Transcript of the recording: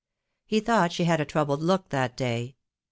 He thought she had a troubled look that day.